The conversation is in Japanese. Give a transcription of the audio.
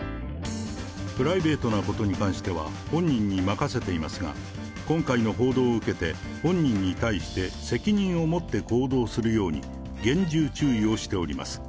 プライベートなことに関しては、本人に任せていますが、今回の報道を受けて、本人に対して、責任を持って行動するように、厳重注意をしております。